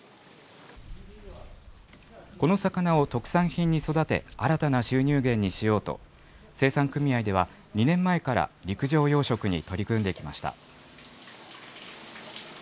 この魚を特産品に育て、新たな収入源にしようと、生産組合では２年前から陸上養殖に取り組んできました。